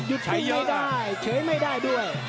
ไม่ใช้ได้เซอะไม่ได้ด้วย